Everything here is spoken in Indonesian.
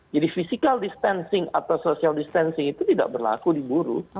jadi physical distancing atau social distancing itu tidak berlaku di buru